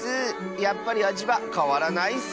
やっぱりあじはかわらないッス！